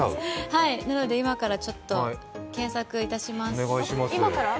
なので、今からちょっと検索いたします。